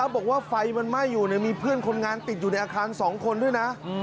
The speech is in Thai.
บอกว่าไฟมันไหม้อยู่มีเพื่อนคนงานติดอยู่ในอาคาร๒คนด้วยนะ